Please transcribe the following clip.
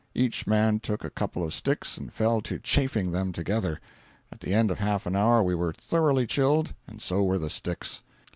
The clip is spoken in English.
Each man took a couple of sticks and fell to chafing them together. At the end of half an hour we were thoroughly chilled, and so were the sticks.